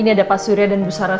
ini ada pak surya dan bu sarana